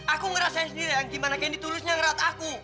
aku ngerasain sendiri eyang gimana kenny tulusnya ngerawat aku